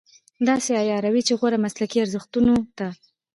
داسې عیاروي چې غوره مسلکي ارزښتونو ته.